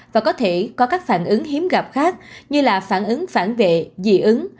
và có thể có các phản ứng hiếm gặp khác như là phản ứng phản vệ dị ứng